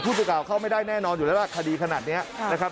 สื่อเก่าเข้าไม่ได้แน่นอนอยู่แล้วล่ะคดีขนาดนี้นะครับ